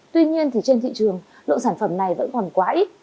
tuy nhiên thì trên thị trường lượng sản phẩm này vẫn còn quá ít